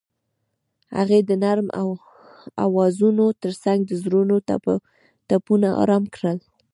هغې د نرم اوازونو ترڅنګ د زړونو ټپونه آرام کړل.